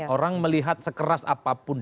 orang melihat sekeras apapun